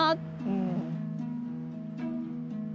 うん。